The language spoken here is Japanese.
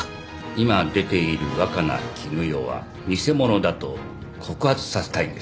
今出ている若菜絹代は偽者だと告発させたいんです。